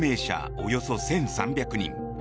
およそ１３００人。